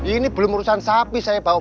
ini belum urusan sapi saya bawa